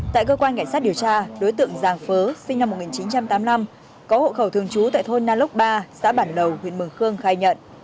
tại cơ quan cảnh sát điều tra đối tượng giàng phớ sinh năm một nghìn chín trăm tám mươi năm có hộ khẩu thường trú tại thôn na lốc ba xã bản lầu huyện mường khương khai nhận